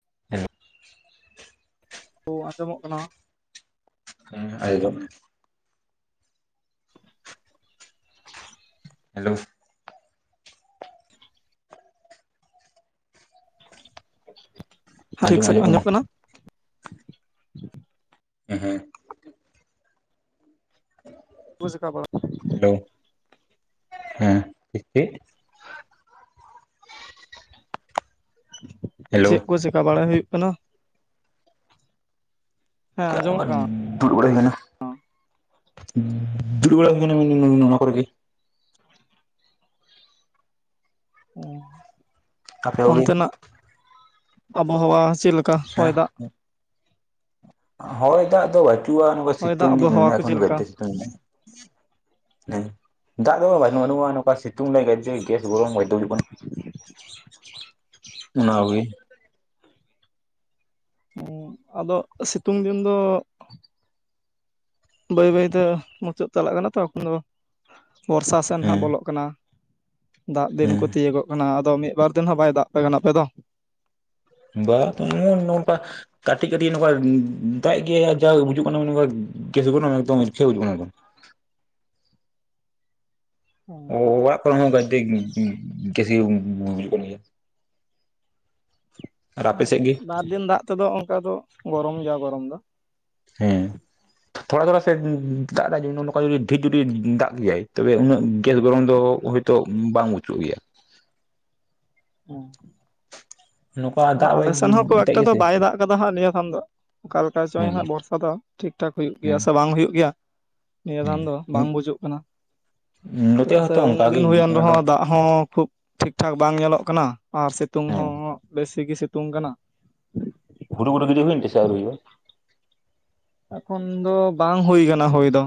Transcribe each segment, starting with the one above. [inaudible] ᱛᱚ ᱟᱸᱡᱚᱢᱚᱜ ᱠᱟᱱᱟ᱾ [inaudible] ᱦᱮᱞᱳ ᱴᱷᱤᱠ ᱟᱸᱡᱚᱢ ᱥᱟᱺᱦᱤᱡ ᱟᱸᱡᱚᱢ ᱟᱸᱡᱚᱢᱚᱜ ᱠᱟᱱᱟ᱾ ᱦᱮᱸ ᱦᱮᱸ [inaudible] ᱦᱮᱞᱳ [inaudible] ᱦᱮᱞᱳ ᱪᱮᱫ ᱠᱚ ᱪᱮᱠᱟ ᱵᱟᱲᱟᱭ ᱦᱩᱭᱩᱜ ᱠᱟᱱᱟ᱾ ᱦᱮᱸ ᱟᱸᱚᱢᱚᱜ ᱠᱟᱱᱟ᱾ ᱫᱩᱲᱩᱵ ᱵᱟᱲᱟ ᱦᱩᱭ ᱠᱟᱱᱟ ᱫᱩᱲᱩᱵ ᱵᱟᱲᱟ ᱦᱩᱭ ᱠᱟᱱᱟ ᱢᱤᱱᱤᱢᱟᱢ ᱱᱚᱣᱟ ᱠᱚᱨᱮ ᱜᱮ, ᱟᱯᱮ ᱠᱚᱜᱮ ᱚᱱᱛᱮ ᱱᱟᱜ ᱟᱵᱚᱦᱟᱣᱟ ᱪᱮᱫᱮᱠᱟ ᱦᱚᱭ ᱦᱮᱸ ᱫᱟᱜ ᱦᱚᱭ ᱫᱟᱜ ᱫᱚ ᱵᱟᱹᱪᱩᱜᱼᱟ ᱱᱚᱝᱠᱟ ᱦᱚᱭ ᱫᱟᱜ ᱥᱤᱛᱩᱝ ᱜᱮ ᱟᱵᱚᱦᱟᱣᱟ ᱠᱚ ᱱᱩᱱᱟᱹ ᱠᱷᱚᱱ ᱪᱮᱫ ᱞᱮᱠᱟ ᱵᱟᱲᱛᱤ [unintelligible] ᱵᱷᱟᱱᱩ ᱟ ᱱᱚᱠᱟ ᱥᱤᱛᱩᱝ ᱫᱟᱭ ᱜᱟᱡᱤ [unintelligible] [inaudible] [unintelligible] [unintelligible] ᱟᱫᱚ ᱥᱤᱛᱩᱝ ᱫᱤᱱ ᱫᱚᱼᱼ ᱵᱟᱹᱭ ᱵᱟᱹᱭ ᱛᱮ ᱢᱩᱪᱟᱹᱫ ᱪᱟᱞᱟᱜ ᱠᱟᱱᱟ ᱛᱚ ᱮᱠᱷᱚᱱ ᱫᱚ ᱵᱚᱨᱥᱟ ᱥᱮᱱ ᱦᱮᱸ ᱦᱟᱸᱜ ᱵᱚᱞᱚᱜ ᱠᱟᱱᱟ᱾ ᱫᱟᱜ ᱫᱤᱱ ᱦᱮᱸ ᱠᱚ ᱛᱤᱭᱳᱟᱹᱜᱚᱜ ᱠᱟᱱᱟ ᱟᱫᱚ ᱢᱤᱫ ᱵᱟᱨ ᱫᱤᱱ ᱦᱚᱸ ᱵᱟᱭ ᱫᱟᱜ ᱯᱮ ᱠᱟᱱᱟ ᱟᱯᱮ ᱫᱚᱼᱼ [unintelligible] ᱠᱟᱹᱴᱤᱡ ᱠᱟᱹᱴᱤᱡ ᱱᱚᱝᱠᱟ ᱫᱟᱜ ᱜᱮ ᱡᱟ ᱵᱩᱡᱩᱜ ᱠᱟᱱᱟᱝ [unintelligible] ᱠᱟᱱᱟ ᱚ ᱚᱲᱟᱜ ᱠᱚ ᱨᱮ ᱦᱚᱸ [unintelligible] ᱟᱨ ᱟᱯᱮ ᱥᱮᱫ ᱜᱮ ᱵᱟᱨ ᱫᱤᱱ ᱫᱟᱜ ᱛᱮ ᱫᱚ ᱚᱱᱠᱟ ᱫᱚ ᱜᱚᱨᱚᱢ ᱜᱮᱭᱟ ᱜᱚᱨᱚᱢ ᱫᱚᱼᱼ ᱦᱮᱸ ᱛᱷᱚᱲᱟ ᱛᱷᱚᱲᱟ ᱥᱮ ᱫᱟᱜ ᱮ ᱱᱚᱝᱠᱟ ᱰᱷᱮᱨ ᱡᱩᱫᱤ ᱫᱟᱜ ᱜᱮᱭᱟᱭ ᱛᱚᱵᱮ ᱩᱱᱟᱹᱜᱼᱼ ᱜᱮᱥ ᱜᱚᱨᱚᱢ ᱫᱚ ᱦᱳᱭᱛᱚ ᱵᱟᱝ ᱚᱪᱚᱜ ᱜᱮᱭᱟ᱾ [unintelligible] ᱱᱚᱝᱠᱟ ᱟᱫᱚ ᱫᱟᱜ ᱟᱞᱮ ᱵᱟᱭ ᱥᱮᱱ ᱦᱚᱸ ᱠᱷᱩ ᱫᱟᱜ ᱮᱠᱴᱟ ᱜᱮᱭᱟ ᱫᱚ ᱥᱮ ᱵᱟᱭ ᱫᱟᱜ ᱠᱟᱫᱟ ᱦᱟᱸᱜ ᱱᱤᱭᱟᱹ ᱠᱷᱚᱱ ᱫᱚᱼᱼ ᱚᱠᱟ ᱞᱮᱠᱟ ᱪᱚᱭ ᱦᱮᱸ ᱦᱟᱸᱜ ᱵᱚᱨᱥᱟ ᱫᱚ ᱴᱷᱤᱠ ᱴᱷᱟᱠ ᱦᱩᱭᱩᱜ ᱜᱮᱭᱟ ᱦᱮᱸ ᱥᱮ ᱵᱟᱝ ᱦᱩᱭᱩᱜ ᱜᱮᱭᱟ᱾ ᱱᱤᱭᱟᱹ ᱫᱟᱱ ᱫᱚ ᱦᱮᱸ ᱵᱟᱝ ᱵᱩᱡᱩᱜ ᱠᱟᱱᱟ ᱱᱚᱛᱮ ᱪᱮᱫᱟᱜ, ᱥᱮ ᱦᱚᱸᱛᱚ ᱩᱱ ᱚᱱᱠᱟ ᱜᱮ ᱫᱤᱱ ᱦᱤᱡᱩᱜ ᱦᱩᱭᱮᱱ ᱨᱮ ᱠᱟᱱᱟ ᱫᱚ ᱦᱚᱸ ᱫᱟᱜᱼᱼ ᱦᱚᱸ ᱠᱷᱩᱵ ᱴᱷᱤᱠ ᱴᱷᱟᱠ ᱵᱟᱝ ᱧᱮᱞᱚᱜ ᱠᱟᱱᱟ᱾ᱟᱨ ᱥᱤᱛᱩᱝ ᱦᱮᱸ ᱦᱚᱸ ᱵᱮᱥᱤ ᱜᱮ ᱥᱤᱛᱩᱝ ᱠᱟᱱᱟ᱾ ᱦᱩᱨᱩ ᱵᱩᱨᱩ ᱜᱤᱰᱤ ᱦᱩᱭᱮᱱ ᱛᱮ ᱥᱮ ᱟᱨᱤ ᱦᱩᱭᱩᱜᱼᱟ᱾ ᱮᱠᱷᱚᱱ ᱫᱚ ᱵᱟᱝ ᱦᱩᱭ ᱟᱠᱟᱱᱟ ᱦᱩᱭ ᱫᱚ᱾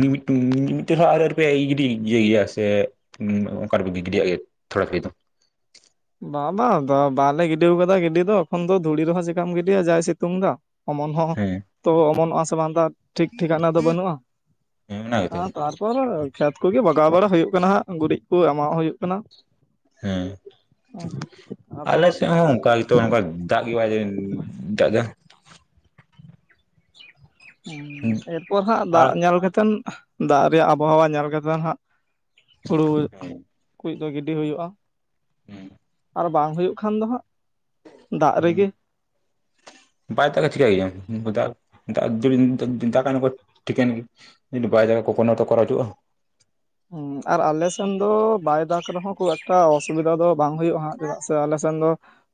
ᱢᱤᱫᱴᱮᱱ ᱢᱤ ᱢᱤᱫᱴᱤᱡ ᱦᱚᱸ ᱟᱨᱤ ᱯᱮ ᱜᱤᱰᱤ ᱤᱭᱟᱹᱭ ᱜᱮᱭᱟ ᱥᱮ ᱚᱠᱟᱨ ᱨᱮ ᱯᱮ ᱜᱤᱽᱤᱰᱤᱭᱟᱜ ᱜᱮᱭᱟ᱾ ᱛᱷᱚᱲᱟᱹᱭ ᱫᱚ [inaudible] ᱵᱟ ᱵᱟᱝ ᱫᱚ ᱵᱟᱞᱮ ᱜᱤᱰᱤ ᱟᱠᱟᱫᱟ ᱜᱤᱰᱤ ᱫᱚ᱾ ᱮᱠᱷᱚᱱ ᱫᱚ ᱫᱷᱩᱲᱤ ᱨᱮᱦᱚᱸ ᱪᱮᱠᱟᱢ ᱜᱤᱰᱤᱭᱟ ᱡᱟᱭ ᱥᱤᱛᱩᱝ ᱫᱟ᱾ ᱚᱢᱚᱱ ᱦᱚᱸ ᱦᱮᱸ ᱛᱚ ᱚᱢᱚᱱᱚᱜᱼᱟ ᱥᱮ ᱵᱟᱝᱼᱼ ᱴᱷᱤᱠ ᱴᱷᱤᱠᱟᱱᱟ ᱫᱚ ᱵᱟᱹᱱᱩᱜᱼᱟ᱾ ᱦᱮᱸ ᱚᱱᱟ ᱜᱮᱛᱚ ᱛᱟᱨᱯᱚᱨᱼᱼ ᱠᱷᱮᱛ ᱠᱚ ᱜᱮ ᱵᱟᱜᱟᱣ ᱵᱟᱲᱟ ᱦᱩᱭᱩᱜ ᱠᱟᱱᱟ ᱜᱩᱨᱤᱡ ᱠᱚ ᱮᱢᱟᱜ ᱦᱩᱭᱩᱜ ᱠᱟᱱᱟ᱾ ᱦᱮᱸ ᱟᱫᱚ ᱟᱞᱮ ᱦᱟᱸᱜ ᱥᱮᱫ ᱦᱚᱸ ᱚᱱᱠᱟᱜᱮ᱾ ᱛᱚ ᱱᱚᱝᱠᱟ ᱫᱟᱜ ᱜᱮ ᱵᱟᱭ ᱫᱟᱜ ᱮᱫᱟ᱾ ᱮᱨᱯᱚᱨ ᱦᱟᱸᱜ ᱫᱟᱜ ᱟᱨ ᱧᱮᱞ ᱠᱟᱛᱮ, ᱫᱟᱜ ᱨᱮᱭᱟᱜ ᱟᱵᱚᱦᱟᱣᱟ ᱧᱮᱞ ᱠᱟᱛᱮ ᱦᱟᱸᱜᱼᱼ ᱦᱩᱲᱩ ᱠᱚ ᱫᱚ [inaudible] ᱜᱤᱰᱤ ᱦᱩᱭᱩᱜᱼᱟ᱾ ᱟᱨ ᱵᱟᱝ ᱦᱩᱭᱩᱜ ᱠᱷᱟᱱ ᱫᱚ ᱦᱟᱸᱜ ᱫᱟᱜ ᱨᱮᱜᱮ, ᱵᱟᱭ ᱫᱟᱜᱼᱟ ᱪᱤᱠᱟᱹᱭ ᱟᱢ ᱫᱟ ᱫᱩᱞ ᱴᱷᱤᱠ ᱫᱟᱠᱟ ᱠᱚ ᱴᱷᱤᱠᱼᱼ ᱢᱤᱫ ᱵᱟᱭ ᱡᱟᱭᱜᱟ ᱠᱚᱯᱚᱱ ᱠᱚᱨᱟᱣ ᱦᱩᱜᱩᱜᱼᱟ ᱦᱮᱸ ᱟᱨ ᱟᱞᱮ ᱥᱮᱱ ᱫᱚ ᱵᱟᱭ ᱫᱟᱜᱽ ᱨᱮᱦᱚᱸ ᱠᱷᱩᱵ ᱮᱠᱴᱟ ᱚᱥᱩᱵᱤᱫᱷᱟ ᱫᱚ ᱵᱟᱝ ᱦᱩᱭᱩᱜᱼᱟ ᱦᱟᱸᱜ, ᱪᱮᱫᱟᱜ ᱥᱮ ᱟᱞᱮ ᱥᱮᱱᱼᱼ ᱫᱚᱼᱼ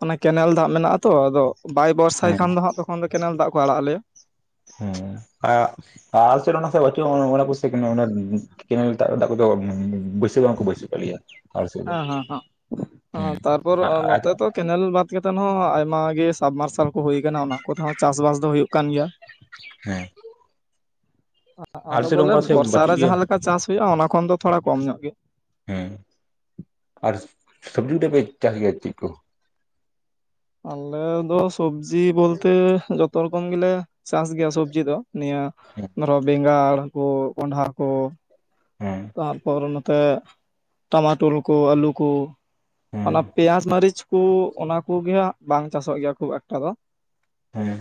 ᱚᱱᱮ ᱠᱮᱱᱮᱞ ᱫᱟᱜ ᱢᱮᱱᱟᱜ ᱟ ᱛᱚ ᱟᱫᱚ ᱵᱟᱭ ᱵᱚᱨᱥᱟᱭ ᱦᱮᱸ ᱠᱷᱟᱱ ᱫᱚ ᱦᱟᱸᱜ ᱛᱚᱠᱷᱚᱱ ᱫᱚ ᱠᱮᱱᱮᱞ ᱫᱟᱜ ᱠᱚ ᱟᱲᱟᱜ ᱟ ᱞᱮᱭᱟ᱾ ᱦᱮᱸ ᱟᱨᱼᱼ ᱟᱞᱮ ᱥᱮᱫ ᱚᱱᱟ ᱠᱚ ᱵᱟᱪᱩᱼᱟ ᱚ ᱚᱱᱟ [unintelligible] ᱠᱮᱱᱮᱞ ᱫᱟᱜ ᱠᱮᱱᱮᱞ ᱠᱚ ᱫᱚ [unintelligible] [unintelligible] ᱵᱟᱹᱭᱥᱟ ᱜᱮ ᱵᱟᱝ ᱠᱚ ᱵᱟᱹᱭᱥᱟ ᱛᱟᱞᱮᱭᱟ ᱟᱞᱮ ᱥᱮᱫ ᱫᱚ ᱦᱮᱸ ᱦᱮᱸ ᱦᱮᱸ ᱛᱟᱨᱯᱚᱨ ᱟᱼ ᱟᱡᱟᱼᱼ ᱱᱚᱛᱮ ᱛᱚ ᱠᱮᱱᱮᱞ ᱵᱟᱫ ᱠᱟᱛᱮᱫ ᱦᱚᱸ ᱟᱭᱢᱟ ᱜᱮ ᱥᱟᱵᱢᱟᱨᱥᱟᱞ ᱠᱚ ᱦᱩᱭ ᱟᱠᱟᱱᱟ ᱚᱱᱟ ᱠᱚ ᱛᱮ ᱦᱚᱸ ᱪᱟᱥ ᱵᱟᱥ ᱫᱚ ᱦᱩᱭᱩᱜ ᱠᱟᱱ ᱜᱮᱭᱟ᱾ ᱦᱮᱸ ᱟᱞᱮ ᱟᱫᱚ ᱥᱮᱫ ᱫᱚ ᱵᱚᱞᱮ ᱚᱱᱠᱟ ᱥᱮ ᱵᱚᱨᱥᱟ ᱵᱟᱹᱪᱩᱜ ᱨᱮ ᱜᱮᱭᱟ ᱡᱟᱦᱟᱸ ᱞᱮᱠᱟ ᱪᱟᱥ ᱦᱩᱭᱩᱜᱼᱟ ᱚᱱᱟ ᱠᱷᱚᱱ ᱫᱚ ᱛᱷᱚᱲᱟ ᱠᱚᱢ ᱧᱚᱜ ᱜᱮ᱾ ᱦᱮᱸ ᱟᱨ ᱥᱚᱵᱽᱡᱤ ᱫᱚ ᱯᱮ ᱪᱟᱥ ᱜᱮᱭᱟ ᱪᱮᱫ ᱠᱚ? ᱟᱞᱮ ᱫᱚ ᱥᱚᱵᱡᱤ ᱵᱚᱞᱛᱮ ᱡᱚᱛᱚ ᱨᱚᱠᱚᱢ ᱜᱮᱞᱮ ᱪᱟᱥ ᱜᱮᱭᱟ ᱥᱚᱵᱡᱤ ᱫᱚ᱾ ᱱᱤᱭᱟᱹ ᱦᱮᱸ ᱫᱷᱚᱨᱚ ᱵᱮᱸᱜᱟᱲ ᱠᱩ ᱠᱸᱰᱷᱟ ᱠᱩ᱾ ᱦᱮᱸ ᱛᱟᱨᱯᱚᱨ ᱱᱚᱛᱮ ᱴᱟᱢᱟᱴᱳᱞ ᱠᱚ ᱟᱹᱞᱩ ᱠᱚ᱾ ᱦᱮᱸ ᱚᱱᱟ ᱯᱮᱸᱭᱟᱡᱽ ᱢᱟᱹᱨᱤᱪ ᱠᱚ ᱚᱱᱟ ᱠᱚ ᱜᱮ ᱦᱟᱸᱜ ᱵᱟᱝ ᱪᱟᱥᱚᱜ ᱜᱮᱭᱟ ᱠᱷᱩᱵ ᱮᱠᱴᱟ ᱫᱚ᱾ ᱦᱮᱸᱻ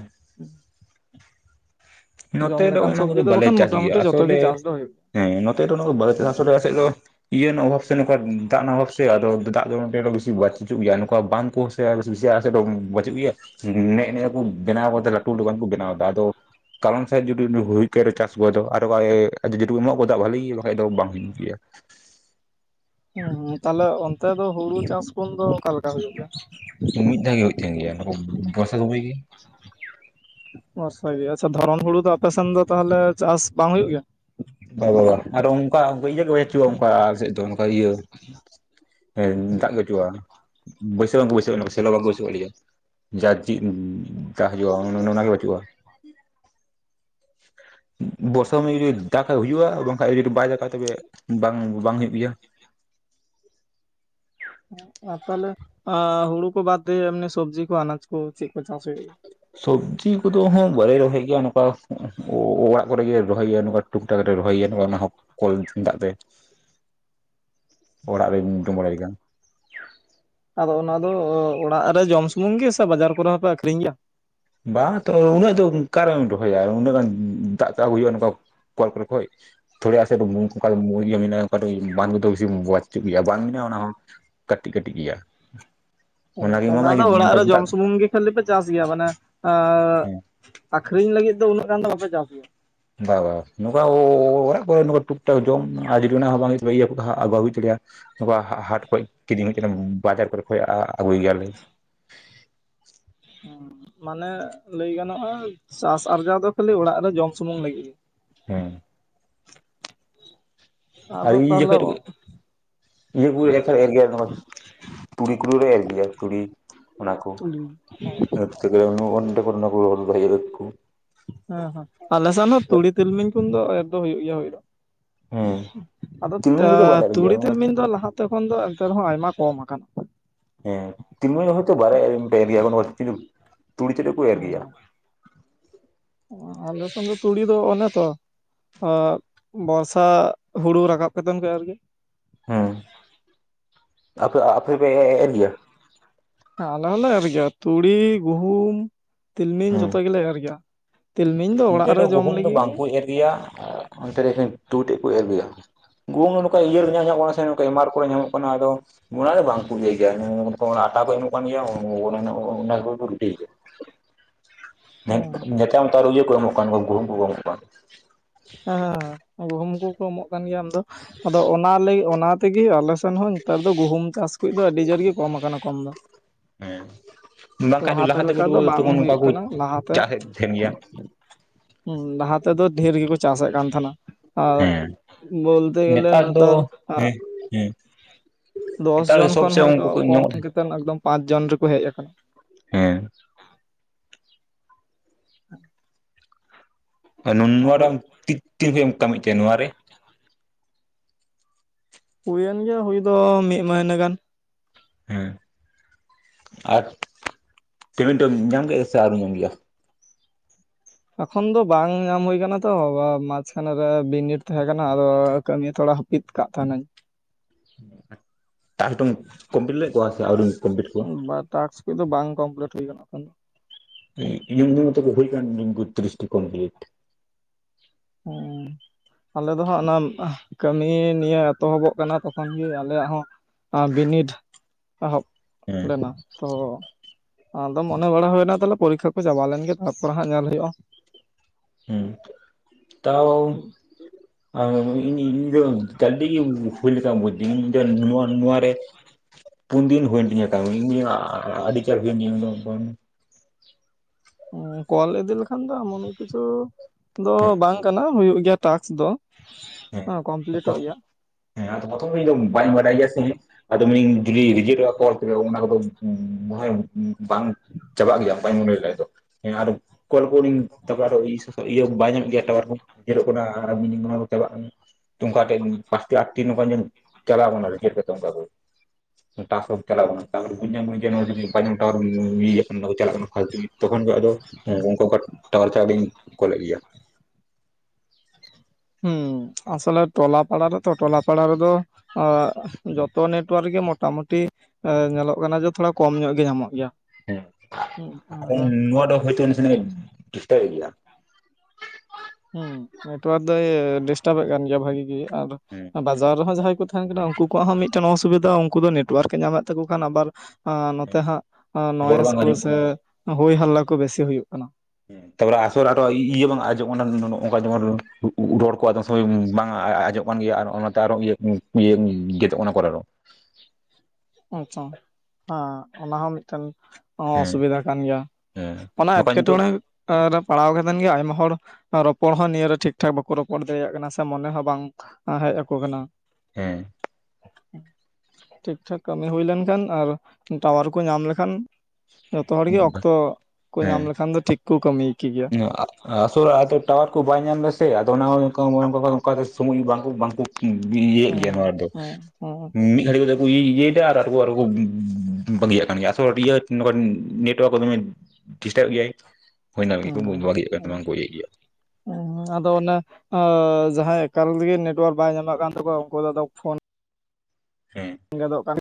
ᱡᱚᱢ ᱱᱚᱛᱮ ᱫᱚ ᱞᱮᱠᱟᱱ ᱚᱱᱟ ᱠᱚ ᱥᱚᱵᱡᱤ ᱫᱚ ᱵᱟᱞᱮ ᱵᱟᱠᱷᱟᱱ ᱪᱟᱥ ᱜᱮᱭᱟ ᱢᱚᱴᱟᱢᱩᱴᱤ ᱡᱚᱛᱚ ᱜᱮ ᱟᱥᱚᱞᱮ, ᱪᱟᱥ ᱫᱚ ᱦᱩᱭᱩᱜ ᱜᱮᱭᱟ ᱦᱮᱸ ᱱᱚᱛᱮ ᱫᱚ ᱚᱱᱟ [unintelligible] ᱫᱚ ᱤᱭᱟᱹ ᱨᱮᱱᱟᱜ ᱚᱵᱷᱟᱵ ᱥᱮ ᱱᱚᱝᱠᱟ ᱫᱟᱜ ᱨᱮᱱᱟᱜ ᱚᱵᱷᱟᱵ ᱥᱮ ᱟᱫᱚ ᱫᱟᱜ ᱫᱚ ᱱᱚ ᱵᱮᱥᱤ ᱵᱟᱪᱚᱜ ᱜᱮᱭᱟ ᱱᱚᱝᱠᱟ ᱵᱟᱝ ᱠᱚᱼᱼ [unintelligible] ᱵᱟᱪᱩᱜ ᱜᱮᱭᱟ ᱱᱮᱜ ᱱᱮᱜ ᱠᱚ ᱵᱮᱱᱟᱣ ᱠᱟ ᱠᱟᱛᱮ ᱞᱟᱹᱴᱩ ᱞᱟᱹᱴᱩ ᱵᱟᱝ ᱠᱚ ᱵᱮᱱᱟᱣ ᱮᱫᱟ ᱟᱫᱚᱼᱼ ᱠᱟᱨᱚᱱ ᱥᱮᱫ ᱡᱩᱫᱤ ᱦᱩᱭᱩᱜ ᱛᱟᱭᱟ ᱪᱟᱥ ᱠᱚᱫᱚ ᱟᱨᱚ ᱡᱩᱫᱤ ᱠᱚ ᱮᱢᱚᱜ ᱠᱚᱫᱟ ᱵᱷᱟᱜᱞᱤ ᱜᱮ ᱵᱟᱠᱷᱟᱡ ᱫᱚ ᱵᱟᱝ ᱦᱩᱭ ᱜᱮᱭᱟ ᱦᱩᱸ ᱦᱩᱸ ᱛᱟᱦᱞᱮ ᱚᱱᱛᱮ ᱫᱚ ᱦᱩᱲᱩ ᱪᱟᱥ ᱠᱚ ᱫᱚ ᱚᱠᱟ ᱞᱮᱠᱟ ᱦᱩᱭᱩᱜ ᱜᱮᱭᱟ? ᱢᱤᱫ ᱫᱷᱟᱣ ᱜᱮ ᱦᱩᱭᱩᱜ ᱛᱟᱦᱮᱱ ᱜᱮᱭᱟ ᱠᱩ ᱵᱚᱨᱥᱟ ᱠᱩᱵᱤ ᱜᱮᱭᱟ ᱵᱚᱨᱥᱟ ᱜᱮᱭᱟ, ᱟᱪᱪᱷᱟ ᱫᱷᱚᱨᱚᱱ ᱦᱩᱲᱩ ᱫᱚ ᱟᱯᱮ ᱥᱮᱱ ᱫᱚ ᱛᱟᱦᱚᱞᱮ ᱪᱟᱥ ᱵᱟᱝ ᱦᱩᱭᱩᱜ ᱜᱮᱭᱟ? ᱵᱟ ᱵᱟ ᱵᱟ ᱟᱨ ᱚᱱᱠᱟ ᱤᱭᱟᱹ ᱦᱩᱭ ᱜᱮ [unintelligible] ᱚᱱᱠᱟ ᱟᱞᱮ ᱥᱮᱫ ᱫᱚ ᱚᱱᱠᱟ ᱤᱭᱟᱹᱼᱼ ᱦᱮᱸ ᱫᱟᱜ ᱜᱮ ᱵᱟᱪᱩᱜᱼᱟ ᱵᱟᱹᱭᱥᱟᱹᱣ ᱵᱟᱝ ᱠᱚ ᱵᱟᱹᱭᱥᱟᱹᱜ ᱠᱟᱱᱟ ᱥᱮᱞᱚ ᱵᱟᱝ ᱠᱚ ᱵᱟᱭᱥᱟᱹᱣᱼᱟ ᱞᱤᱧᱟ᱾ ᱡᱟ [unintelligible] ᱫᱟᱜ ᱦᱤᱡᱩᱜᱼᱟ ᱚᱱᱮ ᱚᱱᱟ ᱜᱮ ᱵᱟᱹᱪᱩᱜᱼᱟ᱾ [inaudible] [unintelligible] ᱫᱟᱜᱟ ᱦᱩᱭᱩᱜᱼᱟ ᱵᱟᱝ ᱠᱷᱟᱱ ᱡᱩᱫᱤ ᱵᱟᱭ ᱫᱟᱜᱟ ᱛᱚᱵᱮ ᱵᱟᱝ ᱵᱟᱝ ᱦᱩᱭᱩᱜ ᱜᱮᱭᱟ᱾ ᱟᱨ ᱛᱟᱦᱚᱞᱮ ᱦᱟ ᱦᱩᱲᱩ ᱠᱚ ᱵᱟᱫᱮ ᱮᱢᱱᱤ ᱥᱚᱵᱽᱡᱤ ᱠᱚ ᱟᱱᱟᱡ ᱠᱚ ᱪᱮᱫ ᱠᱚ ᱪᱟᱥ ᱦᱩᱭᱩᱜᱼᱟ᱾ ᱥᱚᱵᱡᱤ ᱠᱚ ᱫᱚ ᱦᱚᱸ ᱵᱟᱞᱮ ᱨᱚᱦᱚᱭ ᱜᱮᱭᱟ ᱱᱚᱝᱠᱟ ᱚᱲᱟᱜ ᱠᱚ ᱨᱮ ᱜᱮ ᱨᱚᱦᱚᱭ ᱜᱮᱭᱟ ᱱᱚᱝᱠᱟ᱾ ᱴᱩᱠᱴᱟᱠ ᱨᱮ ᱨᱚᱦᱚᱭ ᱜᱮᱭᱟ ᱚᱱᱟ ᱦᱚᱸ ᱠᱚᱞ ᱫᱟᱜ ᱛᱮ᱾ ᱚᱲᱟᱜ ᱨᱮᱧ ᱡᱚᱢ ᱵᱟᱲᱟᱭ ᱜᱮᱭᱟ᱾ ᱟᱫᱚ ᱚᱱᱟ ᱫᱚ ᱚᱲᱟᱜ ᱨᱮ ᱡᱚᱢ ᱥᱩᱢᱩᱝ ᱜᱮ ᱥᱮ ᱵᱟᱡᱟᱨ ᱠᱚ ᱨᱮ ᱦᱚᱸᱯᱮ ᱟᱠᱷᱨᱤᱧ ᱜᱮᱭᱟ? ᱵᱟᱝ ᱛᱚ ᱩᱱᱟᱹᱜ ᱫᱚ ᱚᱠᱟ ᱨᱮᱢ ᱨᱚᱦᱚᱭᱟ ᱩᱱᱟᱹᱜ ᱫᱟᱜ ᱛᱚ ᱟᱜᱩ ᱦᱩᱭᱩᱜ-ᱟ ᱱᱚᱝᱠᱟ ᱠᱚᱞ ᱠᱚᱨᱮ ᱠᱷᱚᱡᱼᱼ [unintelligible] ᱠᱟᱹᱴᱤᱡ ᱠᱟᱹᱴᱤᱡ ᱜᱮᱭᱟ ᱚᱱᱟᱜᱮ ᱚᱱᱟ ᱮᱢᱟᱢᱟᱭ ᱫᱚ ᱚᱲᱟᱜ ᱨᱮ ᱡᱚᱢ ᱫᱟᱜ ᱥᱩᱢᱩᱝ ᱜᱮᱼᱼ ᱠᱷᱟᱹᱞᱤ ᱯᱮ ᱪᱟᱥ ᱜᱮᱭᱟ ᱢᱟᱱᱮ ᱟᱹᱻᱻ ᱦᱮᱸ ᱟᱠᱷᱨᱤᱧ ᱞᱟᱹᱜᱤᱫ ᱫᱚ ᱩᱱᱟᱹᱜ ᱜᱟᱱ ᱫᱚ ᱵᱟᱯᱮ ᱪᱟᱥ ᱜᱮᱭᱟ ᱵᱟ ᱵᱟᱝ ᱱᱚᱝᱠᱟ ᱚᱲᱟᱜ ᱠᱚ ᱨᱮ ᱴᱩᱠ ᱴᱟᱠ ᱡᱚᱢ ᱟᱨ ᱡᱩᱫᱤ ᱚᱱᱟ ᱦᱚᱸ ᱵᱟᱝ ᱦᱩᱭᱩᱜ-ᱟ [unintelligible] ᱱᱚᱝᱠᱟ ᱦᱟᱴ ᱠᱚᱡ ᱠᱤᱨᱤᱧ ᱠᱟᱛᱮᱫ ᱵᱟᱡᱟᱨ ᱠᱚᱨᱮ ᱠᱷᱚᱡ ᱟᱹᱜᱩᱭ ᱜᱮᱭᱟᱞᱮ ᱢᱟᱱᱮ ᱞᱟᱹᱭ ᱜᱟᱱᱚᱜ-ᱟ ᱪᱟᱥ ᱟᱨᱡᱟᱣ ᱫᱚ ᱠᱷᱟᱞᱤ ᱚᱲᱟᱜ ᱨᱮ ᱡᱚᱢ ᱥᱩᱢᱩᱝ ᱞᱟᱹᱜᱤᱫ ᱼᱼ [unintelligible] ᱟᱨ ᱟᱫᱚ ᱤᱭᱟᱹ ᱛᱟᱦᱚᱞᱮᱼᱼ ᱡᱚᱠᱷᱚᱡ [unintelligible] ᱛᱩᱲᱤ ᱠᱚᱞᱮ ᱮᱨ ᱜᱮᱭᱟ ᱛᱩᱲᱤ ᱚᱱᱟ ᱠᱚᱼᱼ [unintelligible] ᱦᱮᱸ ᱦᱮᱸ ᱟᱞᱮ ᱥᱮᱱ ᱫᱚ ᱛᱩᱲᱤ ᱛᱤᱞᱢᱤᱧ ᱠᱷᱚᱱ ᱫᱚ ᱮᱨ ᱫᱚ ᱦᱩᱭᱩᱜ ᱜᱮᱭᱟ ᱦᱩᱭ ᱫᱚᱼᱼ ᱦᱮᱸ ᱟᱫᱚ ᱛᱮ ᱛᱤᱞᱢᱤᱧ ᱠᱚᱫᱚ ᱵᱟᱞᱮ ᱮᱨ ᱜᱮᱭᱟ ᱛᱩᱲᱤ ᱛᱤᱞᱢᱤᱧ ᱫᱚ ᱞᱟᱦᱟᱼᱼ ᱛᱚᱠᱷᱚᱱ ᱫᱚ ᱮᱱᱛᱮ ᱨᱮᱦᱚᱸ ᱟᱭᱢᱟ ᱠᱚᱢ ᱟᱠᱟᱱᱟ ᱦᱮᱸ [unintelligible] ᱛᱮᱫ ᱠᱚ ᱮᱨ ᱦᱩᱢ ᱜᱮᱭᱟ ᱦᱩᱢ ᱟᱞᱮ ᱥᱮᱫ ᱫᱚ ᱛᱩᱲᱤ ᱫᱚ ᱚᱱᱮ ᱛᱚᱼᱼ ᱦᱚ ᱵᱚᱨᱥᱟ ᱦᱩᱲᱩ ᱨᱟᱠᱟᱵ ᱠᱟᱛᱮᱱ ᱠᱚ ᱮᱨ ᱜᱮᱭᱟ ᱦᱮᱸ ᱟᱯᱮ ᱟᱯᱮ ᱯᱮ ᱮᱻ ᱮᱨ ᱜᱮᱭᱟ ᱦᱮᱸ ᱟᱞᱮ ᱦᱚᱸᱞᱮ ᱮᱨ ᱜᱮᱭᱟ ᱛᱩᱲᱤ ᱜᱩᱦᱩᱢ ᱛᱤᱞᱢᱤᱧ ᱦᱮᱸ ᱡᱚᱛᱚ ᱜᱮᱞᱮ ᱮᱨ ᱜᱮᱭᱟ ᱛᱤᱞᱢᱤᱧ ᱫᱚ ᱚᱲᱟᱜ ᱨᱮ ᱡᱚᱢ ᱞᱟᱹᱜᱤᱫ ᱜᱮᱼᱼ ᱤᱭᱟ ᱟᱨ ᱚᱱᱛᱮ ᱤᱠᱷᱟᱹᱱ ᱛᱩᱲᱤ ᱛᱮᱫ ᱠᱚ ᱮᱨ ᱜᱮᱭᱟ ᱜᱩᱦᱩᱢ ᱱᱚᱝᱠᱟ ᱤᱭᱟᱹ [inaudible] ᱱᱚᱝᱠᱟ ᱮᱢᱟᱨ ᱠᱚ ᱨᱮ ᱧᱟᱢᱚᱜ ᱠᱟᱱᱟ ᱟᱫᱚᱼᱼ [unintelligible] ᱫᱚ ᱵᱟᱝ ᱠᱚ ᱞᱟᱭ ᱜᱮᱭᱟ ᱟᱴᱟ ᱠᱚ ᱮᱢᱚᱜ ᱠᱟᱱ ᱜᱮᱭᱟ ᱚᱱᱟ ᱨᱩᱴᱤ ᱜᱮᱭᱟ [inaudible] ᱱᱮ ᱱᱮᱛᱟᱨ ᱢᱟᱛᱚ ᱤᱭᱟᱹ ᱠᱩ ᱮᱢᱚᱜ ᱠᱟᱱ ᱜᱩᱦᱩᱢ ᱠᱩᱠᱢᱩ ᱮᱢᱚᱜ ᱠᱟᱱ ᱦᱮᱸ ᱜᱩᱦᱩᱢ ᱠᱚᱠᱚ ᱮᱢᱚᱜ ᱠᱟᱱ ᱜᱮᱭᱟ ᱮᱢ ᱫᱚ ᱟᱫᱚ ᱚᱱᱟ ᱞᱟᱹᱜᱤ ᱚᱱᱟ ᱛᱮᱜᱮ ᱟᱞᱮᱥᱮᱱ ᱦᱚᱸ ᱱᱮᱛᱟᱨ ᱫᱚ ᱜᱩᱦᱩᱢ ᱪᱟᱥ ᱠᱚᱡ ᱫᱚ ᱟᱹᱰᱤ ᱡᱳᱨ ᱜᱮ ᱠᱚᱢ ᱟᱠᱟᱱᱟ ᱠᱚᱢ ᱫᱚ ᱦᱮᱸ ᱵᱟᱝᱠᱷᱟᱱ ᱫᱚ ᱞᱟᱦᱟᱛᱮ ᱞᱟᱦᱟ ᱛᱮᱫᱚ ᱞᱮᱠᱟ ᱫᱚ ᱵᱟᱝ ᱛᱚᱠᱷᱚᱱ ᱱᱚᱝᱠᱟ ᱦᱩᱭᱩᱜ ᱠᱚ ᱠᱟᱱᱟ ᱞᱟᱦᱟᱛᱮ ᱪᱟᱥᱮᱫ ᱛᱟᱦᱮᱱ ᱜᱮᱭᱟ᱾ ᱦᱩᱸ ᱞᱟᱦᱟ ᱛᱮᱫᱚ ᱰᱷᱮᱨ ᱜᱮᱠᱚ ᱪᱟᱥᱮᱫ ᱠᱟᱱ ᱛᱟᱦᱮᱱᱟ᱾ ᱟᱨ ᱦᱮᱸ ᱵᱚᱞᱛᱮ ᱜᱮᱞᱮ ᱱᱮᱛᱟᱨ ᱫᱚ ᱟ ᱦᱮᱸ ᱦᱮᱸ ᱫᱚᱥ ᱱᱮᱛᱟᱨ ᱫᱚ ᱡᱚᱱ ᱥᱚᱵ ᱠᱷᱚᱱ ᱥᱮᱫ ᱦᱚᱭᱛᱳ ᱩᱱᱠᱩ ᱠᱚ ᱠᱚᱢ ᱧᱟᱢᱚᱜ ᱛᱟᱦᱮᱸᱫ᱾ ᱠᱟᱛᱮᱱ ᱮᱠᱫᱚᱢ ᱯᱟᱸᱪ ᱡᱚᱱ ᱨᱮᱠᱚ ᱦᱮᱡ ᱟᱠᱟᱱᱟ᱾ ᱦᱮᱸ [inaudible] ᱟᱨ ᱱᱩᱱᱢᱟᱨᱟᱝ ᱛᱤ ᱛᱤᱱ ᱠᱷᱚᱡ ᱮᱢ ᱠᱟᱹᱢᱤ ᱮᱫ ᱛᱮ ᱱᱚᱣᱟᱨᱮ? ᱦᱩᱭᱮᱱ ᱜᱮᱭᱟ ᱦᱩᱭ ᱫᱚ ᱢᱤᱫ ᱢᱟᱦᱱᱟᱹ ᱜᱟᱱ᱾ ᱦᱮᱸ ᱟᱨ ᱯᱮᱢᱮᱱᱴ ᱦᱚᱸ ᱧᱟᱢ ᱜᱮᱭᱟ ᱥᱮ ᱟᱹᱣᱨᱤᱢ ᱧᱟᱢ ᱜᱮᱭᱟ? ᱮᱠᱷᱚᱱ ᱫᱚ ᱵᱟᱝ ᱧᱟᱢ ᱦᱩᱭ ᱟᱠᱟᱱᱟ ᱛᱚ ᱢᱟᱪᱷᱠᱷᱟᱱᱮ ᱨᱮ ᱵᱤᱱᱤᱰ ᱛᱟᱦᱮᱸ ᱠᱟᱱᱟ ᱟᱫᱚ ᱠᱟᱹᱢᱤ ᱛᱷᱚᱲᱟ ᱦᱟᱹᱯᱤᱫ ᱠᱟᱫ ᱛᱟᱦᱮᱱᱟᱹᱧ᱾ ᱴᱟᱥᱠ ᱫᱚᱢ ᱠᱚᱢᱯᱤᱴ ᱞᱮ ᱠᱚᱣᱟ ᱥᱮ ᱟᱹᱣᱨᱤᱢ ᱠᱚᱢᱯᱤᱴ ᱠᱚᱣᱟ᱾ ᱵᱟ ᱴᱟᱠᱥ ᱤᱧᱟᱹᱜ ᱫᱚ ᱵᱟᱝ ᱠᱚᱢᱯᱞᱤᱴ ᱦᱩᱭ ᱟᱠᱟᱱᱟ᱾ ᱤᱧᱟᱹᱝ ᱢᱟᱛᱚ ᱦᱩᱭ ᱠᱟᱱ ᱛᱤᱧ ᱛᱤᱨᱤᱥᱴᱤ ᱠᱚᱢᱯᱞᱤᱴ᱾ ᱳ ᱟᱞᱮ ᱫᱚ ᱦᱟᱸᱜ ᱚᱱᱟ ᱠᱟᱹᱢᱤ ᱱᱤᱭᱮ ᱮᱛᱚᱦᱚᱵᱚᱜ ᱠᱟᱱᱟ ᱛᱚᱠᱷᱚᱱ ᱜᱮ ᱟᱞᱮᱭᱟᱜ ᱦᱚᱸ ᱟ ᱵᱤᱱᱤᱰ ᱮᱦᱚᱵ ᱦᱮᱸ ᱞᱮᱱᱟ ᱛᱚ ᱟᱫᱚ ᱢᱚᱱᱮ ᱵᱟᱲᱟ ᱦᱩᱭᱱᱟ ᱛᱟᱦᱞᱮ ᱯᱚᱨᱤᱠᱠᱷᱟ ᱠᱚ ᱪᱟᱵᱟ ᱞᱮᱱ ᱜᱮ ᱛᱟᱨᱯᱚᱨ ᱦᱟᱸᱜ ᱧᱮᱞ ᱦᱩᱭᱩᱜ-ᱟ᱾ ᱦᱮᱸ ᱛᱟᱣ ᱤᱧ ᱤᱧ ᱫᱚ ᱜᱟᱹᱫᱤ ᱜᱮ ᱦᱩᱭ ᱞᱮᱠᱟ ᱵᱩᱡᱷ ᱫᱟᱹᱧ ᱤᱧ ᱫᱚ ᱱᱚᱣᱟ ᱱᱚᱣᱟᱨᱮ ᱯᱩᱱᱫᱤᱱ ᱦᱩᱭᱮᱱ ᱛᱤᱧᱟ ᱠᱟᱹᱢᱤ ᱤᱧ ᱟᱹᱰᱤᱪᱟᱲ ᱦᱩᱭᱮᱱ ᱛᱤᱧ ᱫᱚ ᱯᱩᱱ ᱠᱚᱞ ᱤᱫᱤ ᱞᱮᱠᱷᱟᱱ ᱫᱚ ᱮᱢᱚᱱ ᱠᱤᱪᱷᱩ ᱫᱚ ᱵᱟᱝ ᱠᱟᱱᱟ ᱦᱩᱭᱩᱜ ᱜᱮᱭᱟ ᱴᱟᱠᱥ ᱫᱚ ᱦᱮᱸ ᱠᱚᱢᱯᱞᱤᱴᱚᱜ ᱜᱮᱭᱟ᱾ ᱦᱮᱸ ᱟᱫᱚ ᱚᱛᱷᱚ ᱤᱧ ᱫᱚ ᱵᱟᱹᱧ ᱵᱟᱰᱟᱭ ᱜᱮᱭᱟ ᱥᱮ ᱟᱫᱚ ᱢᱤᱱᱤᱧ ᱡᱩᱫᱤ ᱨᱤᱡᱮᱠᱴᱚᱜ ᱟ ᱠᱚᱞ ᱛᱚᱵᱮ ᱚᱱᱟ ᱠᱚᱫᱚ ᱵᱟᱭ ᱵᱟᱝ ᱪᱟᱵᱟᱜ ᱜᱮᱭᱟ ᱵᱟᱹᱧ ᱞᱟᱹᱭ ᱫᱚ ᱦᱮᱸ ᱟᱨ ᱠᱚᱞ ᱠᱚᱨᱤᱧ ᱛᱟᱨᱯᱚᱨᱮ ᱟᱫᱚ ᱤᱥ ᱥᱟ ᱤᱭᱟᱹ ᱵᱟᱭ ᱧᱟᱢᱮᱜ ᱜᱮᱭᱟ ᱴᱟᱣᱭᱟᱨ ᱠᱚ ᱧᱮᱞᱚᱜ ᱠᱟᱱᱟ ᱟᱨ ᱢᱤᱱᱤᱝ ᱦᱚᱸ ᱫᱟᱵᱟᱜ ᱠᱟᱱᱟ ᱚᱱᱠᱟ ᱛᱮ ᱯᱟᱸᱪᱴᱤ ᱟᱴᱴᱤ ᱱᱚᱱᱠᱟ ᱡᱟᱱᱤᱡ ᱪᱟᱞᱟᱣ ᱠᱟᱱᱟ ᱨᱤᱡᱮᱠᱴ ᱠᱟᱛᱮ ᱚᱱᱠᱟ ᱠᱚ ᱴᱟᱥᱠ ᱪᱟᱞᱟᱣ ᱠᱟᱱᱟ ᱛᱟᱭᱚᱢ ᱵᱩᱡᱷ ᱧᱟᱢ ᱠᱟᱹᱫᱟᱹᱧ ᱫᱮᱫ ᱦᱚᱸ ᱡᱚᱫᱤ ᱵᱟᱭ ᱧᱟᱢ ᱴᱟᱣᱟᱨ ᱦᱚᱸ ᱮᱭᱟ. ᱭᱟ ᱪᱟᱞᱟᱜ ᱠᱟᱱᱟ ᱯᱷᱟᱞᱛᱩ ᱛᱚᱠᱷᱚᱱ ᱜᱮ ᱟᱫᱚ ᱠᱚᱯᱟᱴ ᱴᱟᱣᱟᱨ ᱪᱷᱟᱫᱮᱧ ᱠᱚᱞᱮᱫ ᱜᱮᱭᱟ᱾ ᱦᱩᱸ ᱟᱥᱚᱞᱮ ᱴᱚᱞᱟ ᱯᱟᱲᱟ ᱨᱮᱛᱚ ᱴᱚᱞᱟ ᱯᱟᱲᱟ ᱨᱮᱫᱚ ᱟᱜ ᱡᱚᱛᱚ ᱱᱮᱴᱣᱟᱨᱠ ᱜᱮ ᱢᱳᱴᱟᱢᱩᱴᱤ ᱮ ᱧᱮᱞᱚᱜ ᱠᱟᱱᱟ ᱡᱮ ᱛᱷᱚᱲᱟ ᱠᱚᱢ ᱧᱚᱜ ᱜᱮ ᱧᱟᱢᱚᱜ ᱜᱮᱭᱟ᱾ ᱦᱩᱸ ᱦᱮᱸ ᱟᱨ ᱱᱚᱣᱟ ᱫᱚ [unintelligible] ᱪᱮᱥᱴᱟᱭ ᱜᱮᱭᱟ᱾ ᱦᱮᱸ ᱱᱮᱴᱣᱟᱨᱠ ᱫᱚᱭ ᱰᱤᱥᱴᱟᱵᱷ ᱮᱫᱽ ᱠᱟᱱ ᱜᱮᱭᱟ ᱵᱷᱟᱹᱜᱤ ᱜᱮ ᱦᱮᱸ ᱟᱨ ᱵᱟᱡᱟᱨ ᱨᱮᱦᱚᱸ ᱡᱟᱦᱟᱸᱭ ᱠᱚ ᱛᱟᱦᱮᱱ ᱠᱟᱱᱟ ᱩᱱᱠᱩ ᱠᱚᱣᱟᱜ ᱦᱚᱸ ᱢᱤᱫᱴᱮᱱ ᱚᱥᱩᱵᱤᱫᱷᱟ ᱩᱱᱠᱩ ᱫᱚ ᱱᱮᱴᱣᱟᱨᱠ ᱮ ᱧᱟᱢᱮᱫ ᱛᱟᱠᱩ ᱠᱷᱟᱱ ᱟᱵᱟᱨ ᱱᱚᱛᱮ ᱦᱮᱸ ᱦᱟᱸᱜ ᱨᱚᱲ ᱱᱚᱭᱮᱥ ᱵᱟᱝ ᱠᱚ ᱟᱸᱡᱚᱢᱚᱜ ᱥᱮ ᱠᱟᱱᱟ ᱦᱳᱭ ᱦᱟᱞᱞᱟ ᱠᱚ ᱵᱮᱥᱤ ᱦᱩᱭᱩᱜ ᱠᱟᱱᱟ᱾ ᱛᱟᱨᱯᱚᱨ ᱟᱥᱚᱨ ᱟᱨᱚ ᱤᱭᱟᱹ ᱵᱟᱝ ᱟᱸᱡᱚᱢᱚᱜ ᱠᱟᱱᱟ ᱱᱚᱜ ᱱᱚᱝᱠᱟ ᱢᱮᱢᱚᱱ ᱨᱚᱲ ᱠᱚ ᱟᱫᱚᱢ ᱥᱚᱢᱚᱭ ᱵᱟᱝ ᱟᱸᱡᱚᱢᱚᱜ ᱠᱟᱱ ᱜᱮᱭᱟ ᱟᱨ ᱚᱱᱟᱛᱮ ᱟᱨᱚ ᱤᱭᱟᱹ ᱤᱭᱟᱹ ᱜᱮᱫᱚᱜ ᱚᱱᱟ ᱠᱚᱞ ᱨᱮ ᱨᱚᱲ, ᱟᱪᱪᱷᱟ ᱦᱮᱸ ᱚᱱᱟ ᱦᱚᱸ ᱢᱤᱫᱴᱮᱱ ᱦᱚᱸ ᱦᱮᱸ ᱚᱥᱩᱵᱤᱫᱷᱟ ᱠᱟᱱ ᱜᱮᱭᱟ ᱦᱮᱸ ᱚᱱᱟ ᱱᱚᱝᱠᱟ ᱱᱤᱛᱚᱜ ᱮᱸᱴᱠᱮᱴᱚᱬᱮ ᱨᱮ ᱯᱟᱲᱟᱣ ᱠᱟᱛᱮ ᱜᱮ ᱟᱭᱢᱟ ᱦᱚᱲ ᱨᱚᱯᱚᱲ ᱦᱚᱸ ᱱᱤᱭᱟᱹᱨᱮ ᱴᱷᱤᱠ ᱴᱷᱟᱠ ᱵᱟᱠᱚ ᱨᱚᱯᱚᱲ ᱫᱟᱲᱮᱭᱟᱜ ᱠᱟᱱᱟ ᱥᱮ ᱢᱚᱱᱮ ᱦᱚᱸ ᱵᱟᱝ ᱦᱮᱡ ᱟᱠᱚ ᱠᱟᱱᱟ, ᱦᱮᱸ, ᱴᱷᱤᱠ ᱴᱷᱟᱠ ᱠᱟᱹᱢᱤ ᱦᱩᱭ ᱞᱮᱱᱠᱷᱟᱱ ᱟᱨ ᱴᱟᱣᱟᱨ ᱠᱚ ᱧᱟᱢ ᱞᱮᱠᱷᱟᱱ ᱡᱚᱛᱚ ᱦᱚᱲᱜᱮ ᱚᱠᱛᱚ ᱠᱚ ᱧᱟᱢ ᱞᱮᱠᱷᱟᱱ ᱫᱚ ᱴᱷᱤᱠ ᱠᱩ ᱠᱟᱹᱢᱤ ᱠᱮ ᱜᱤᱭᱟ, ᱟᱥᱚᱞᱮ ᱟᱫᱚ ᱴᱟᱣᱟᱨ ᱠᱚ ᱵᱟᱭ ᱧᱟᱢ ᱫᱟᱭᱥᱮ ᱟᱫᱚ ᱚᱱᱮ ᱚᱱᱠᱟ ᱚᱱᱠᱟᱜᱮ ᱥᱚᱢᱚᱭ ᱵᱟᱝ ᱠᱚ ᱵᱟᱝ ᱠᱚ ᱤᱭᱟᱹᱭᱮᱫ ᱜᱮᱭᱟ ᱱᱚᱣᱟᱫᱚ ᱢᱤᱫ ᱜᱷᱟᱹᱲᱤᱡ ᱤᱭᱟᱹᱭ ᱫᱟ ᱟᱨᱚᱠᱚ ᱟᱨᱚᱠᱚ ᱵᱟᱹᱜᱤᱭᱟᱜ ᱠᱟᱱ ᱜᱮᱭᱟ ᱟᱥᱚᱞ ᱤᱭᱟᱹ ᱱᱚᱠᱟ ᱱᱮᱴᱣᱟᱨᱠ ᱠᱚ ᱫᱚᱢᱮ ᱰᱤᱥᱴᱵᱽ ᱮᱫ ᱜᱮᱟᱭ ᱦᱩᱭᱳᱱᱟ ᱵᱟ ᱵᱟᱜᱤᱭᱟᱜ ᱠᱟᱱ ᱵᱟᱝ ᱠᱚ ᱤᱭᱟ. ᱭᱮᱫ ᱜᱮᱭᱟ᱾ ᱦᱸ ᱟᱫᱚ ᱚᱱᱟ ᱡᱟᱦᱟᱸᱭ ᱮᱠᱟᱞ ᱛᱮᱜᱮ ᱱᱮᱴᱣᱟᱨᱠ ᱵᱟᱭ ᱧᱟᱢᱮᱫ ᱠᱟᱱ ᱛᱟᱠᱚᱣᱟ ᱩᱱᱠᱩ ᱫᱚ ᱟᱫᱚ ᱯᱷᱳᱱ ᱦᱮᱸ, ᱜᱮᱫᱚᱜ ᱠᱟᱱᱟ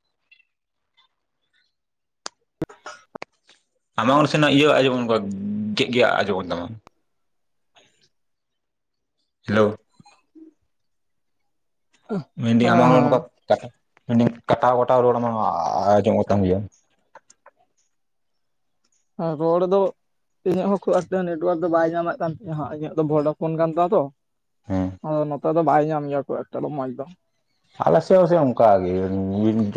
ᱟᱢᱟᱜ ᱚ ᱱᱟᱥᱮᱱᱟᱜ ᱤᱭᱟᱹ ᱟᱸᱡᱚᱢᱚᱱ ᱚᱱᱠᱟ ᱜᱮᱫ ᱜᱮ ᱟᱸᱡᱚᱢᱚᱜ ᱠᱟᱱ ᱛᱟᱢᱟ, ᱦᱮᱞᱳ, ᱢᱮᱱᱫᱟᱹᱧ ᱟᱢᱟᱜ ᱦᱮᱸ ᱱᱚᱝᱠᱟ ᱠᱟᱴᱟ ᱠᱟᱴᱟᱣ ᱢᱮᱱᱫᱟᱹᱧ ᱠᱟᱴᱟᱣ ᱠᱟᱴᱟᱣ ᱨᱚᱲ ᱟᱢᱟᱜ ᱟᱸᱡᱚᱢᱚᱜ ᱛᱟᱢ ᱜᱮᱭᱟ, ᱦ ᱨᱚᱲ ᱫᱚ ᱤᱧᱟᱹᱜ ᱦᱚᱸ ᱠᱷᱩᱵ ᱮᱠᱴᱟ ᱱᱮᱴᱣᱟᱨᱠ ᱫᱚ ᱵᱟᱭ ᱧᱟᱢᱮᱫ ᱠᱟᱱ ᱛᱤᱧᱟᱹ ᱦᱟᱜ ᱤᱧᱟᱹᱜ ᱫᱚ ᱵᱷᱚᱰᱟ ᱯᱷᱳᱱ ᱠᱟᱱ ᱛᱟᱸ ᱛᱚ, ᱦᱮᱸ ᱱᱚᱛᱮ ᱫᱚ ᱵᱟᱭ ᱧᱟᱢ ᱜᱮᱭᱟ ᱠᱷᱩᱵ ᱮᱠᱴᱟ ᱫᱚ ᱢᱚᱸᱡᱽ ᱫᱚ᱾ ᱟᱞᱮ ᱥᱮᱫ ᱦᱚᱸᱥᱮ ᱚᱱᱠᱟᱜᱮ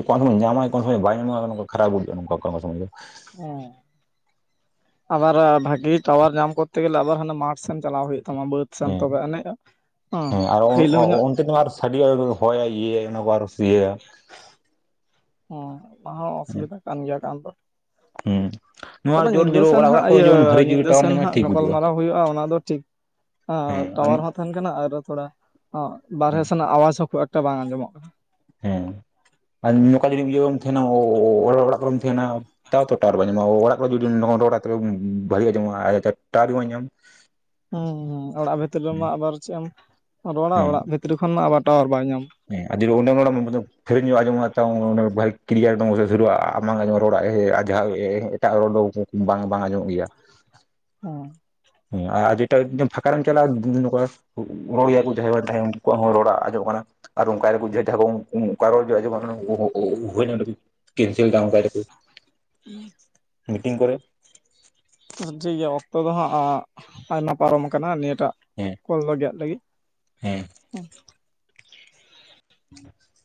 ᱠᱚᱱᱚ ᱥᱚᱢᱚᱭ ᱧᱟᱢᱟᱭ ᱠᱚᱱᱚ ᱥᱚᱢᱚᱭ ᱵᱟᱭ ᱧᱟᱢᱟ ᱚᱱᱠᱟ ᱠᱷᱟᱨᱟᱯ ᱵᱩᱡᱟ. ᱜᱼᱟ ᱱᱚᱝᱠᱟ ᱠᱚᱱᱚ ᱥᱚᱢᱚᱭ ᱫᱚ᱾ ᱦᱮ, ᱟᱵᱟᱨ ᱵᱷᱟᱜᱤ ᱴᱟᱣᱟᱨ ᱧᱟᱢ ᱠᱚᱨᱛᱮ ᱜᱮᱞᱮ ᱟᱵᱟᱨ ᱦᱟᱱᱟ ᱢᱟᱴᱷ ᱥᱮᱱ ᱪᱟᱞᱟᱣ ᱦᱩᱭᱩᱜ ᱛᱟᱢᱟ ᱵᱟᱹᱫᱽ ᱥᱟᱱᱛᱚ ᱦᱮᱸ ᱠᱚ ᱮᱱᱮᱡ ᱟ ᱯᱷᱟᱹᱤᱞᱟ. ᱣ ᱧᱚᱜ ᱥᱟᱹᱰᱤ ᱟᱨᱚ ᱦᱚᱭ ᱭᱟᱭ ᱤᱭᱟᱹ ᱭᱟᱭ ᱚᱱᱟ ᱠᱚ ᱟᱨᱚ ᱤᱭᱟᱹᱭᱟ᱾ ᱦᱮᱸ ᱚᱱᱟ ᱦᱚᱸ ᱚᱥᱩᱵᱤᱫᱟ ᱠᱟᱱ ᱜᱮᱭᱟ ᱮᱠᱟᱱᱛᱚ, ᱦᱩᱸ, ᱛᱚᱵᱮ ᱱᱚᱣᱟ ᱡᱮᱢᱚᱱ ᱧᱤᱫᱟᱹ ᱡᱳᱨ ᱥᱮᱱ ᱚᱲᱟᱜ ᱦᱟᱸᱜ ᱚᱲᱟᱜ ᱠᱚᱨᱮ ᱤᱭᱟᱹ ᱡᱮᱢᱚᱱ ᱵᱷᱟᱹᱨᱤ ᱡᱳᱨ ᱧᱤᱫᱟᱹ ᱴᱟᱣᱟᱨ ᱥᱮᱱ ᱧᱟᱢᱟᱭ ᱦᱟᱸᱜ ᱴᱷᱤᱠ ᱵᱩᱡᱩᱜᱼᱟ ᱜᱟᱯᱟᱞᱢᱟᱨᱟᱣ ᱦᱩᱭᱩᱜᱼᱟ ᱚᱱᱟ ᱫᱚ ᱴᱷᱤᱠ ᱦ ᱦᱮᱸ ᱟᱨ ᱴᱟᱣᱟᱨ ᱦᱚᱸ ᱛᱟᱦᱮᱱ ᱠᱟᱱᱟ ᱟᱨ ᱛᱷᱚᱲᱟ ᱵᱟᱨᱦᱮ ᱥᱮᱱᱟᱜ ᱟᱣᱟᱡ ᱦᱚᱸ ᱠᱷᱩᱵ ᱮᱠᱴᱟ ᱵᱟᱝ ᱟᱸᱡᱚᱢᱚᱜ ᱠᱟᱱᱟ᱾ ᱦᱮᱸ [inaudible] ᱟᱨ ᱱᱚᱝᱠᱟ ᱡᱚᱫᱤᱢ ᱤᱭᱟᱹᱢ ᱛᱟᱸᱦᱮᱱᱟ ᱚᱲᱟᱜ ᱠᱚᱢ ᱛᱟᱦᱮᱱᱟ᱾ ᱛᱟᱣ ᱛᱚ ᱴᱟᱣᱟᱨ ᱵᱟᱭ ᱧᱟᱢᱟ ᱚᱲᱟᱜ ᱠᱚᱨᱮ ᱡᱩᱫᱤᱢ ᱨᱚᱲ ᱛᱚᱵᱮ ᱵᱷᱟᱹᱜᱤ ᱟᱸᱧᱟᱢᱚᱜᱼᱟ ᱟᱪ ᱟᱪ ᱛᱮ ᱴᱟᱨ ᱵᱟᱝ ᱧᱟᱢ [inaudible] ᱦᱩᱸ ᱦᱩᱸ ᱚᱲᱟᱜ ᱵᱷᱤᱛᱨᱤ ᱨᱮᱢᱟ ᱟᱵᱟᱨ ᱪᱮᱫ ᱮᱢ ᱨᱚᱲᱟ ᱦᱮᱸ ᱚᱲᱟᱜ ᱵᱷᱤᱛᱨᱤ ᱠᱷᱚᱱ ᱢᱟ ᱟᱵᱟᱨ ᱴᱟᱣᱟᱨ ᱵᱟᱭ ᱧᱟᱢᱟ᱾ ᱦᱮᱸ ᱟᱹᱰᱤ [unintelligible] ᱫᱚ ᱥᱟᱹᱨᱤᱧᱚᱜ ᱟᱸᱚᱢᱚᱜᱼᱟ ᱛ ᱵᱷᱟᱹᱜᱤ ᱠᱞᱤᱭᱟᱨ ᱫᱟᱹᱨᱼᱟ ᱟᱢᱟᱝ ᱟᱸᱡᱚᱢᱚᱜ ᱨᱚᱲᱟᱜ ᱮ ᱟᱡᱷᱟᱟᱜ ᱮ ᱮᱴᱟᱜ ᱨᱚᱰᱚ ᱵᱟᱝ ᱵᱟᱝ ᱟᱡᱚᱸᱢᱜ ᱜᱮᱭᱟ᱾ ᱦ, ᱦᱮᱸ ᱟᱰᱤ ᱮᱴᱟᱜ ᱨᱮᱫᱚᱢ ᱯᱷᱟᱠᱟᱨᱟᱱ ᱪᱟᱞᱟᱜᱼᱟ ᱨᱚᱲ ᱜᱮᱭᱟ ᱠᱚ ᱡᱟᱦᱟᱸᱭᱟᱜ ᱵᱟᱝ ᱛᱟᱦᱮᱸ ᱩᱱᱠᱩᱣᱟᱜ ᱦᱚᱸ ᱨᱚᱲ ᱟᱡᱚᱸᱢᱚᱜ ᱠᱟᱱᱟ᱾ ᱟᱨ ᱚᱱᱠᱟᱭ ᱫᱟᱠᱚ ᱡᱟᱸᱦᱟ ᱠᱚ ᱚᱱᱠᱟ ᱨᱚᱲ ᱜᱮ ᱦᱩᱭᱱᱟ, ᱠᱮᱱᱥᱮᱞ ᱫᱟ ᱚᱱᱠᱟᱭ ᱫᱟᱠᱚ, [unintelligible] ᱢᱤᱴᱤᱝ ᱠᱚᱨᱮ ᱾ ᱴᱷᱤᱠ ᱜᱮᱭᱟ ᱾ ᱚᱠᱛᱚ ᱫᱚ ᱦᱟᱸᱜ, ᱟᱸᱼ ᱟᱭᱢᱟ ᱯᱟᱨᱚᱢ ᱟᱠᱟᱱᱟ ᱾ ᱱᱤᱛ, ᱮᱴᱟᱜ, ᱦᱮᱸ ᱠᱚᱞ ᱞᱟᱜᱟᱜ ᱞᱟ. ᱜᱤᱫ ᱾ ᱦᱮᱸ ᱰᱮᱼᱠᱼᱩᱸᱼᱪ, ᱾ [unintelligible]